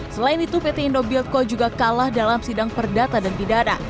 selain itu pt indobilco juga kalah dalam sidang perdata dan pidana